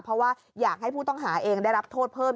เพราะว่าอยากให้ผู้ต้องหาเองได้รับโทษเพิ่ม